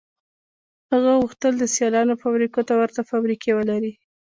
هغه غوښتل د سیالانو فابریکو ته ورته فابریکې ولري